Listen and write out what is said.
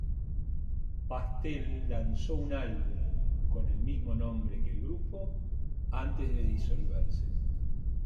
Pastel lanzó un álbum con el mismo nombre que el grupo, antes de disolverse.